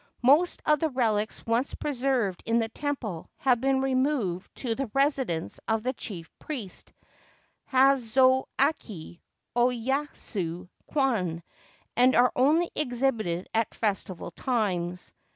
Most of the relics once preserved in the temple have been removed to the residence of the Chief Priest (Hakozaki Oyatsu kwan), and are only exhibited at festival times.